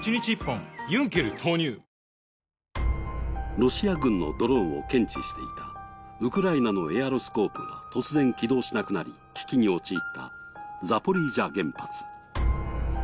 ロシア軍のドローンを検知していたウクライナのエアロスコープが突然起動しなくなり、危機に陥ったザポリージャ原発。